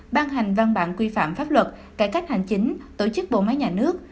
ban hành văn bản quy phạm pháp luật cải cách hành chính tổ chức bộ máy nhà nước